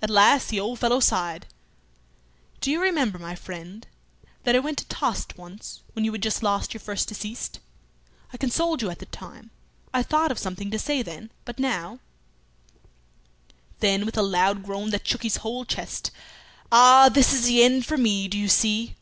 At last the old fellow sighed "Do you remember, my friend, that I went to Tostes once when you had just lost your first deceased? I consoled you at that time. I thought of something to say then, but now " Then, with a loud groan that shook his whole chest, "Ah! this is the end for me, do you see!